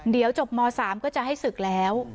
เดี๋ยวจบม๓ก็จะให้ศึกแล้ว